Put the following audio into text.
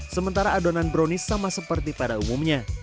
sementara adonan brownies sama seperti pada umumnya